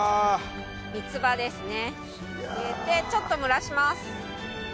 三つ葉ですね入れてちょっと蒸らします。